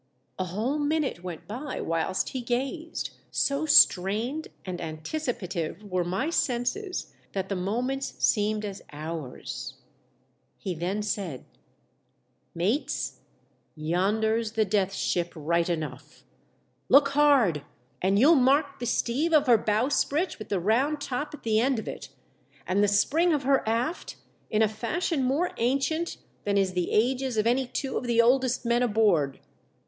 A whole minute went by whilst he gazed ; so strained and anticipative were my senses that the moments seemed as hours. He then said, " Mates, yonder's the Death Ship, right enough ! Look hard, and you'll mark the steeve of her bowsprit with the round top at the end of it, and the spring of her aft in a fashion more ancient than is the ages of any two of the oldest men aboard.